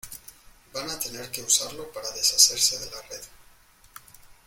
van a tener que usarlo para deshacerse de la red.